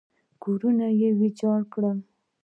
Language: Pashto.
کورونه یې ویجاړ کړل.